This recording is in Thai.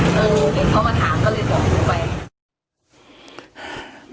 ก็เลยเออเห็นเขามาถามก็เลยบอกลงไป